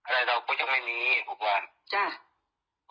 อะไรเราก็จะไม่มีบางวัน